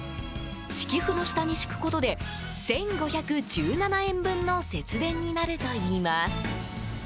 敷布の下に敷くことで１５１７円分の節電になるといいます。